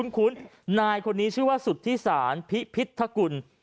คุ้นนายคนนี้ชื่อว่าสุธิศาลพิพิธกุล